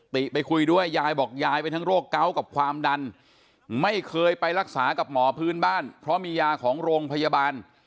ติไปคุยด้วยยายบอกยายไปทั้งโรคเกาะกับความดันไม่เคยไปรักษากับหมอพื้นบ้านเพราะมียาของโรงพยาบาล